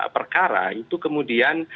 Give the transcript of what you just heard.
perkara itu kemudian